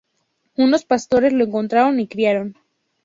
Unos pastores lo encontraron y criaron.